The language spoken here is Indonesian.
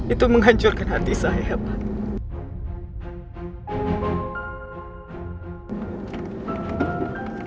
itu menghancurkan hati saya hebat